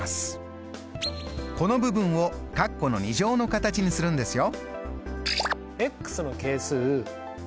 この部分をカッコの２乗の形にするんですよ。